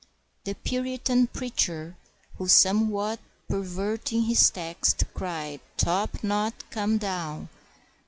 The Puritan preacher who, somewhat perverting his text, cried, "Topknot, come down!"